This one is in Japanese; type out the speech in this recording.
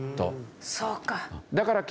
そうか。